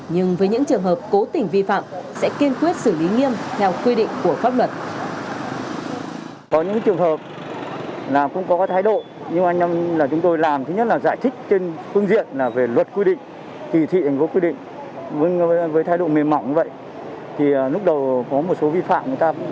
nhưng với những trường hợp cố tỉnh vi phạm